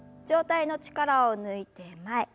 上体の力を抜いて前。